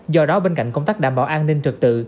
do đó bên cạnh công tác đảm bảo an ninh trật tự